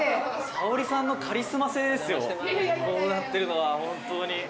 「沙保里さんのカリスマ性ですよこうなってるのは本当に」